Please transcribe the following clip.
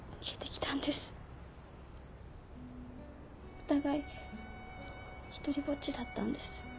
お互い独りぼっちだったんです。